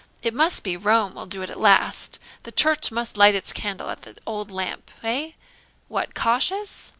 it must be Rome will do it at last the church must light its candle at the old lamp. Eh what, cautious?